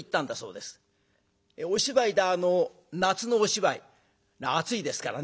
お芝居で夏のお芝居暑いですからね。